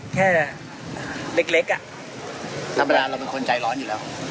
แค่เล็กธรรมดาเราเป็นคนใจร้อนอยู่แล้ว